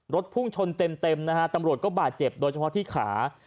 พุ่งชนเต็มนะฮะตำรวจก็บาดเจ็บโดยเฉพาะที่ขา